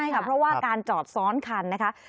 เพราะว่าการจอดซ้อนคันนะคะ